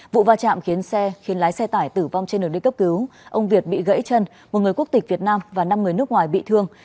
vụ va chạm khiến xe khiến lái xe tải tử vong trên đường đi cấp cứu ông việt bị gãy chân một người quốc tịch việt nam và năm người nước ngoài bị thương